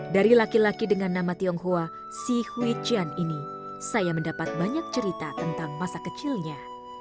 dari laki laki dengan nama tionghoa si huichian ini saya mendapat banyak cerita tentang masa kecilnya